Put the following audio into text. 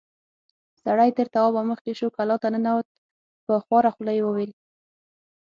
سړی تر توابه مخکې شو، کلا ته ننوت، په خواره خوله يې وويل: